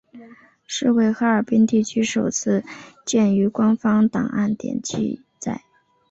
是为哈尔滨地区首次见于官方档案典籍记载。